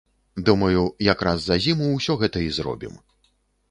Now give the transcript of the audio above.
Думаю, як раз за зіму ўсё гэта і зробім.